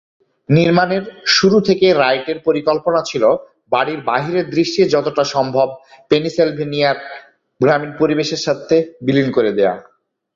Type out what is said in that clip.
নির্মানের শুরু থেকেই রাইটের পরিকল্পনা ছিলো বাড়ির বাহিরের দৃশ্যে যতটা সম্ভব পেনসিলভানিয়ার গ্রামীণ পরিবেশের সাথে বিলীন করে দেয়া।